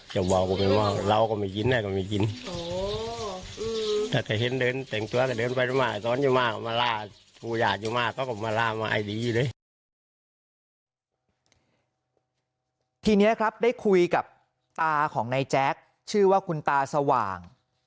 ทีนี้ครับได้คุยกับตาของนายแจ๊คชื่อว่าคุณตาสว่าง